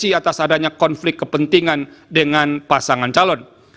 atas adanya konflik kepentingan dengan pasangan calon